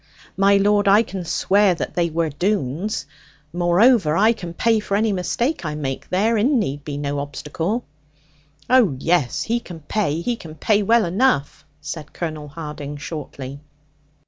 'My lord, I can swear that they were Doones. Moreover, I can pay for any mistake I make. Therein need be no obstacle.' 'Oh, yes, he can pay; he can pay well enough,' said Colonel Harding shortly.